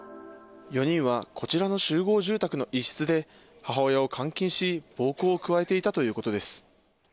４人はこちらの集合住宅の一室で、母親を監禁し、暴行を加えていたということです。